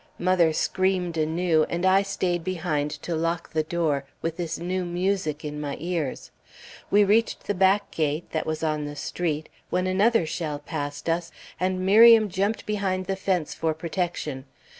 mother screamed anew, and I stayed behind to lock the door, with this new music in my ears. We reached the back gate, that was on the street, when another shell passed us, and Miriam jumped behind the fence for protection.